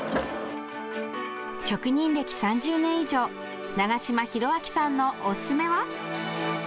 職人歴３０年以上、長島弘明さんのおすすめは！